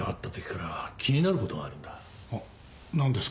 なんですか？